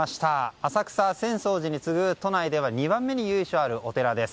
浅草・浅草寺に次ぐ都内では２番目に由緒あるお寺です。